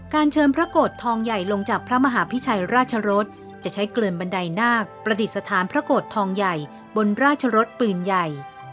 เชิญพระโกรธทองใหญ่ลงจากพระมหาพิชัยราชรสจะใช้เกลินบันไดนาคประดิษฐานพระโกรธทองใหญ่บนราชรสปืนใหญ่